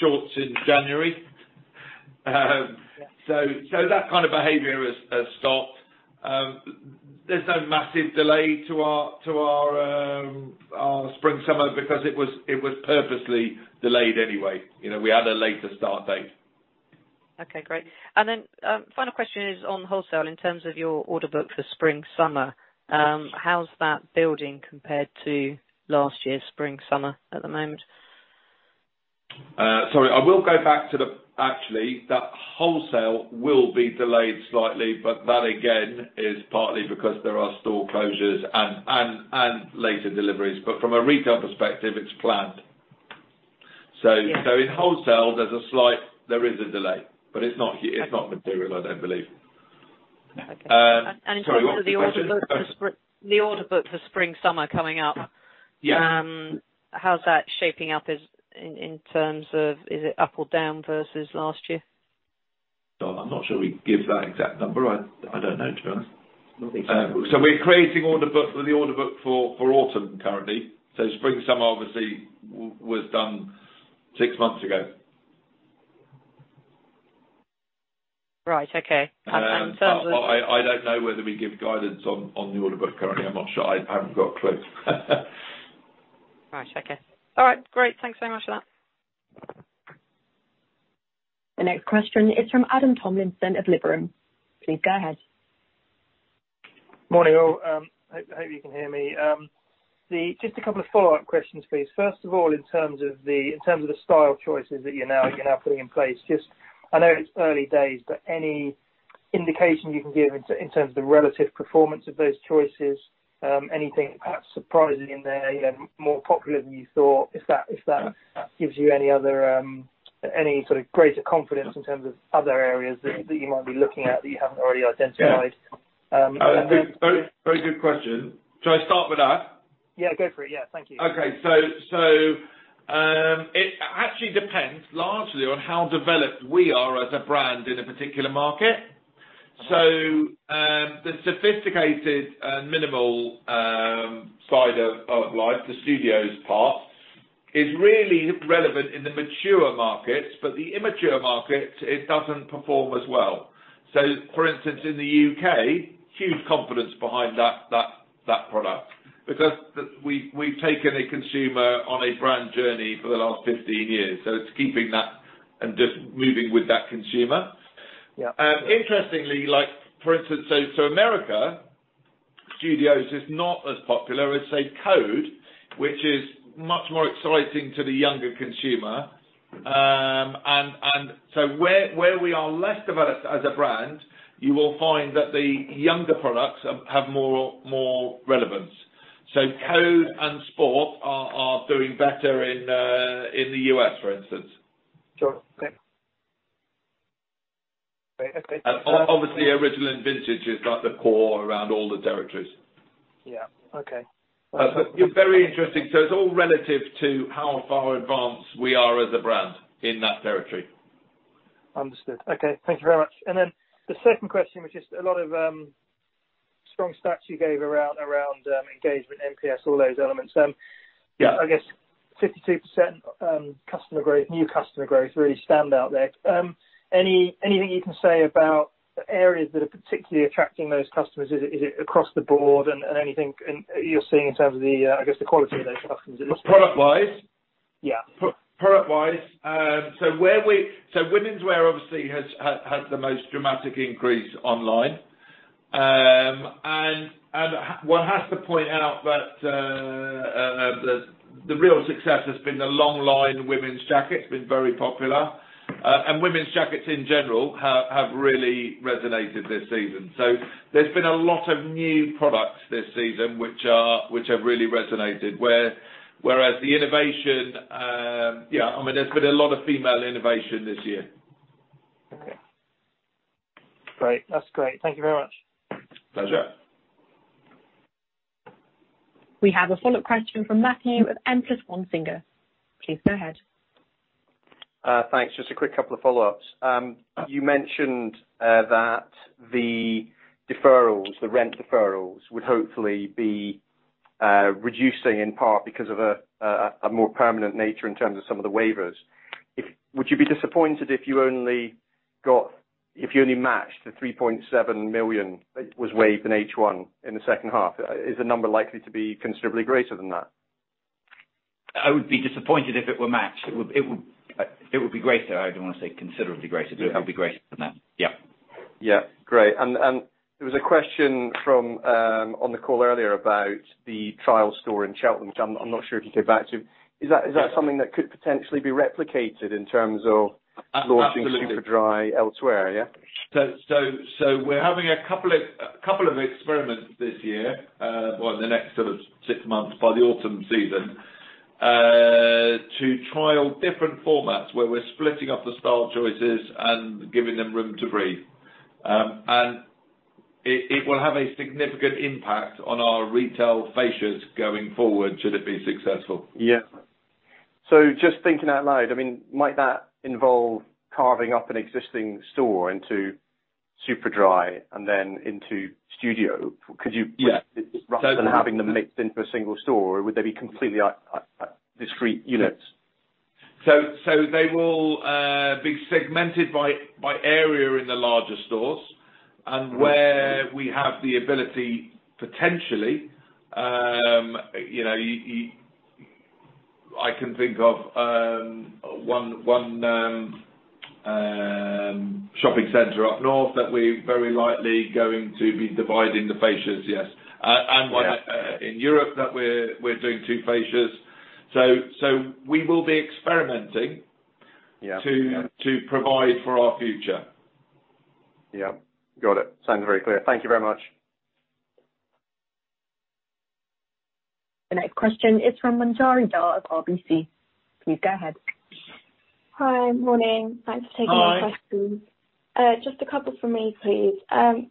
shorts in January. That kind of behavior has stopped. There's no massive delay to our spring/summer because it was purposely delayed anyway. We had a later start date. Okay, great. Final question is on wholesale in terms of your order book for Spring/Summer. How's that building compared to last year's Spring/Summer at the moment? Sorry, I will go back to the Actually, that wholesale will be delayed slightly, but that again, is partly because there are store closures and later deliveries. From a retail perspective, it's planned. Yeah. In wholesale there is a delay, but it's not material, I don't believe. Okay. in terms of the order book for Spring/Summer coming up. Yeah. How's that shaping up in terms of, is it up or down versus last year? I'm not sure we give that exact number. I don't know, to be honest. We're creating the order book for autumn currently. Spring/Summer obviously was done six months ago. Right. Okay. I don't know whether we give guidance on the order book currently. I'm not sure. I haven't got a clue. Right. Okay. All right. Great. Thanks so much for that. The next question is from Adam Tomlinson of Liberum. Please go ahead. Morning all. Hope you can hear me. Just a couple of follow-up questions, please. First of all, in terms of the style choices that you're now putting in place, I know it's early days, but any indication you can give in terms of the relative performance of those choices? Anything perhaps surprising in there, more popular than you thought, if that gives you any sort of greater confidence in terms of other areas that you might be looking at that you haven't already identified? Very good question. Shall I start with that? Yeah, go for it. Yeah. Thank you. Okay. It actually depends largely on how developed we are as a brand in a particular market. The sophisticated and minimal side of life, the Studios part, is really relevant in the mature markets, but the immature markets, it doesn't perform as well. For instance, in the U.K., huge confidence behind that product because we've taken a consumer on a brand journey for the last 15 years. It's keeping that and just moving with that consumer. Yeah. Interestingly, like for instance, America, Studios is not as popular as say, Code, which is much more exciting to the younger consumer. Where we are less developed as a brand, you will find that the younger products have more relevance. Code and Sport are doing better in the U.S., for instance. Sure. Okay. Great. That's great. Obviously Original and Vintage is like the core around all the territories. Yeah. Okay. Very interesting. It's all relative to how far advanced we are as a brand in that territory. Understood. Okay. Thank you very much. The second question was just a lot of strong stats you gave around engagement, NPS, all those elements. Yeah. I guess 52% new customer growth really stand out there. Anything you can say about areas that are particularly attracting those customers? Is it across the board? Anything you're seeing in terms of the, I guess the quality of those customers at this point? Product-wise? Yeah. Product-wise, womenswear obviously has the most dramatic increase online. One has to point out that the real success has been the longline women's jackets, been very popular. Women's jackets in general have really resonated this season. There's been a lot of new products this season which have really resonated. Whereas the innovation, yeah, I mean, there's been a lot of female innovation this year. Okay. Great. That's great. Thank you very much. Pleasure. We have a follow-up question from Matthew of N+1 Singer. Please go ahead. Thanks. Just a quick couple of follow-ups. You mentioned that the rent deferrals would hopefully be reducing in part because of a more permanent nature in terms of some of the waivers. Would you be disappointed if you only matched the 3.7 million that was waived in H1 in the second half, is the number likely to be considerably greater than that? I would be disappointed if it were matched. It would be greater. I don't want to say considerably greater, but it'll be greater than that. Yeah. Yeah. Great. There was a question on the call earlier about the trial store in Cheltenham, which I'm not sure if you came back to. Is that something that could potentially be replicated in terms of launching. Absolutely. Superdry elsewhere, yeah? We're having a couple of experiments this year, well, in the next sort of six months, by the autumn season, to trial different formats where we're splitting up the style choices and giving them room to breathe. It will have a significant impact on our retail fascias going forward should it be successful. Yeah. Just thinking out loud, might that involve carving up an existing store into Superdry and then into Studio? Yes. Rather than having them mixed into a single store, or would they be completely discrete units? They will be segmented by area in the larger stores, and where we have the ability potentially, I can think of one shopping center up north that we're very likely going to be dividing the fascias, yes. One in Europe that we're doing two fascias. We will be experimenting. Yeah. To provide for our future. Yeah. Got it. Sounds very clear. Thank you very much. The next question is from Manjari Dhar of RBC. Please go ahead. Hi. Morning. Thanks for taking my questions. Hi. Just a couple from me, please.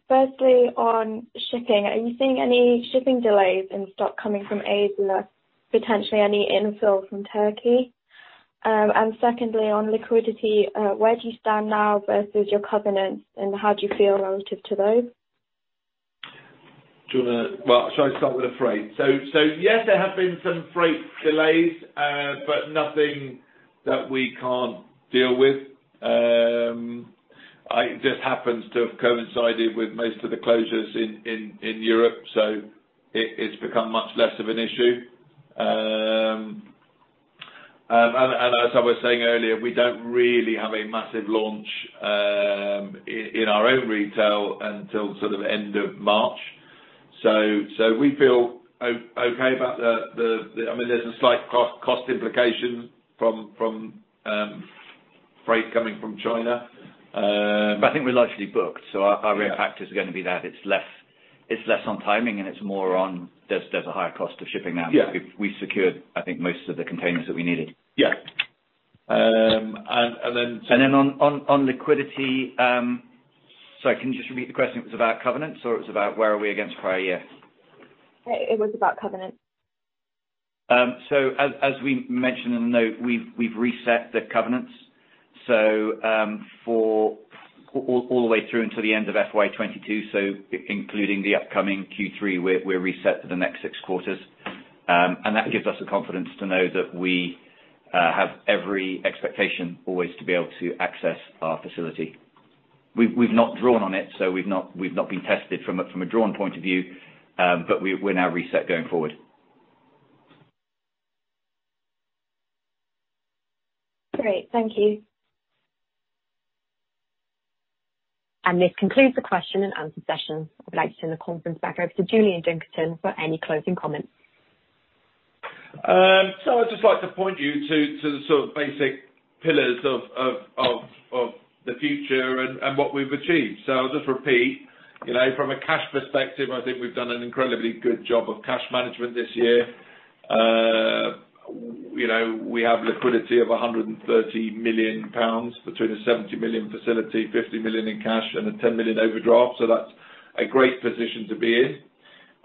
Firstly, on shipping. Are you seeing any shipping delays in stock coming from Asia, potentially any infill from Turkey? Secondly, on liquidity, where do you stand now versus your covenants, and how do you feel relative to those? Do you want to? Well, shall I start with the freight? Yes, there have been some freight delays, but nothing that we can't deal with. It just happens to have coincided with most of the closures in Europe, so it's become much less of an issue. As I was saying earlier, we don't really have a massive launch in our own retail until sort of end of March. We feel okay about the. There's a slight cost implication from freight coming from China. I think we're largely booked, so our real impact is going to be that it's less on timing and it's more on, there's a higher cost of shipping now. Yeah. We secured, I think, most of the containers that we needed. Yeah. Then on liquidity, sorry, can you just repeat the question? It was about covenants or it was about where are we against prior year? It was about covenants. As we mentioned in the note, we've reset the covenants, all the way through until the end of FY 2022, so including the upcoming Q3, we're reset for the next six quarters. That gives us the confidence to know that we have every expectation always to be able to access our facility. We've not drawn on it, so we've not been tested from a drawn point of view, but we're now reset going forward. Great. Thank you. This concludes the question and answer session. I'd like to turn the conference back over to Julian Dunkerton for any closing comments. I'd just like to point you to the sort of basic pillars of the future and what we've achieved. I'll just repeat, from a cash perspective, I think we've done an incredibly good job of cash management this year. We have liquidity of 130 million pounds between a 70 million facility, 50 million in cash, and a 10 million overdraft. That's a great position to be in.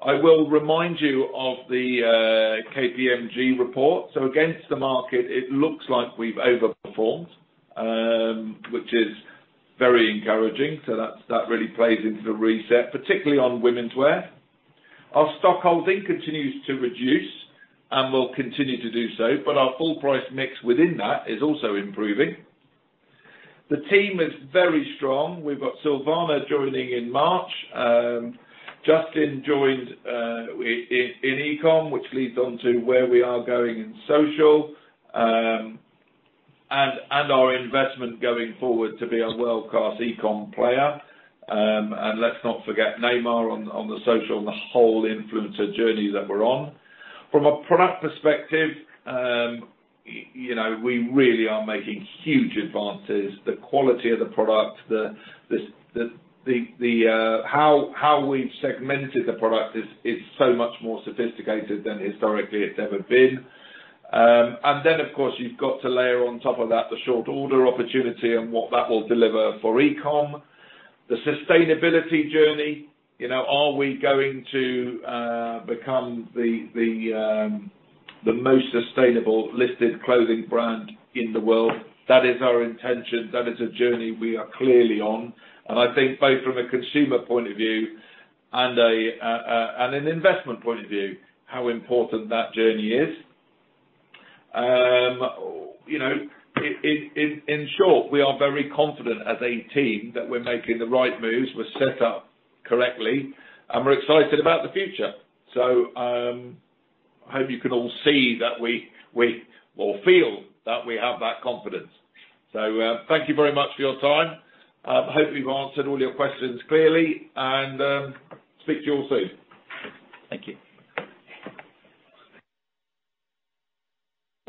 I will remind you of the KPMG report. Against the market, it looks like we've overperformed, which is very encouraging. That really plays into the reset, particularly on womenswear. Our stock holding continues to reduce and will continue to do so, but our full price mix within that is also improving. The team is very strong. We've got Silvana joining in March. Justin joined in e-com, which leads on to where we are going in social, and our investment going forward to be a world-class e-com player. Let's not forget Neymar on the social and the whole influencer journey that we're on. From a product perspective, we really are making huge advances. The quality of the product, how we've segmented the product is so much more sophisticated than historically it's ever been. Of course, you've got to layer on top of that the short order opportunity and what that will deliver for e-com. The sustainability journey. Are we going to become the most sustainable listed clothing brand in the world? That is our intention. That is a journey we are clearly on, and I think both from a consumer point of view and an investment point of view, how important that journey is. In short, we are very confident as a team that we're making the right moves, we're set up correctly, and we're excited about the future. I hope you can all see that we or feel that we have that confidence. Thank you very much for your time. Hope we've answered all your questions clearly, and speak to you all soon. Thank you.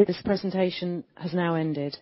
This presentation has now ended.